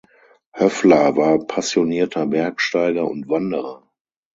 Höffler war passionierter Bergsteiger und Wanderer.